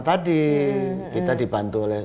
tadi kita dibantu oleh